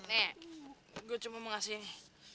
nih gue cuma mau ngasih ini